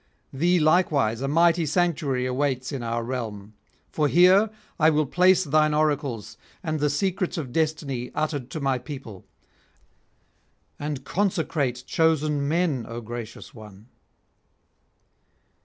Thee likewise a mighty sanctuary awaits in our realm. For here will I place thine oracles and the secrets of destiny uttered to my people, and consecrate chosen men, O gracious one.